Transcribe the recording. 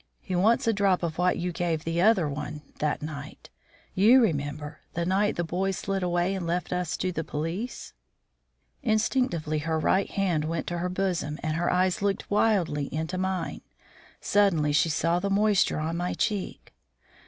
He wants a drop of what you gave the other one that night. You remember, the night the boys slid away and left us to the police." Instinctively her right hand went to her bosom and her eyes looked wildly into mine. Suddenly she saw the moisture on my cheeks.